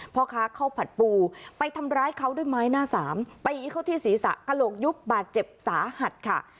พ่อค้าข้าวผัดปูไปทำร้ายเขาด้วยไม้หน้าสามตีเข้าที่ศีรษะกระโหลกยุบบาดเจ็บสาหัสค่ะ